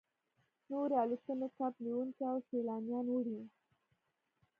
نورې الوتنې کب نیونکي او سیلانیان وړي